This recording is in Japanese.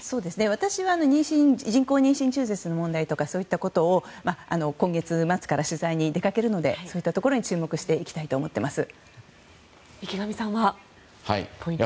私は人工妊娠中絶の問題やそういったことを今月末から取材に出かけるのでそういったところに注目していきたいと思っています。